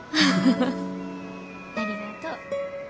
ありがとう。